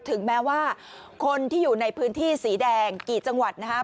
ถึงแม้ว่าคนที่อยู่ในพื้นที่สีแดงกี่จังหวัดนะครับ